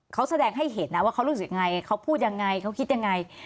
เขาแสดงให้เห็นนะว่าเขารู้สึกยังไงเขาพูดยังไงเขาคิดยังไง